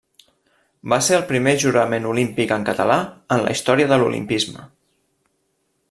Va ser el primer jurament olímpic en català en la història de l'Olimpisme.